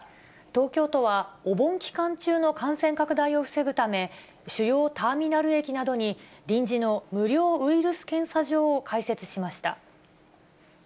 東京都はお盆期間中の感染拡大を防ぐため、主要ターミナル駅などに臨時の無料ウイルス検査場を開設しました。